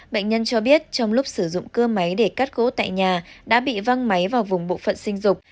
bệnh nhân cho biết trong lúc sử dụng cưa máy để cắt gỗ tại nhà đã bị văng máy vào vùng bộ phận sinh dục